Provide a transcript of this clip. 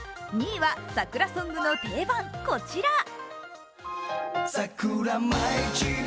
２位は桜ソングの定番こちら。